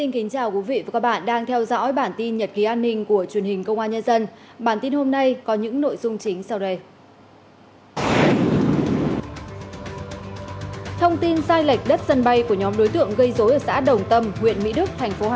hãy đăng ký kênh để ủng hộ kênh của chúng mình nhé